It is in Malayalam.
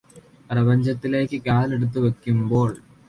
പ്രപഞ്ചത്തിലേയ്ക് കാലെടുത്തുവെയ്കുമ്പോള്